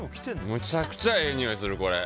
むちゃくちゃええにおいするこれ。